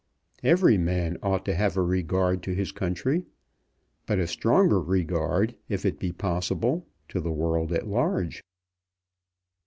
"Every man ought to have a regard to his country; but a stronger regard, if it be possible, to the world at large."